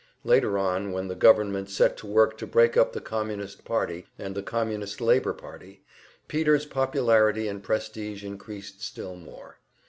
Later on, when the government set to work to break up the Communist Party and the Communist Labor Party, Peter's popularity and prestige increased still more.